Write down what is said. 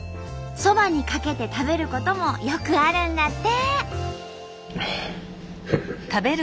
そばにかけて食べることもよくあるんだって。